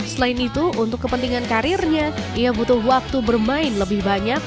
selain itu untuk kepentingan karirnya ia butuh waktu bermain lebih banyak